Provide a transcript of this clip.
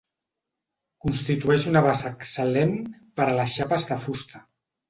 Constitueix una base excel·lent per a les xapes de fusta.